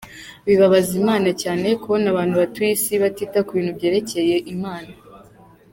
Bibabaza imana cyane kubona abantu batuye isi batita ku bintu byerekeye imana.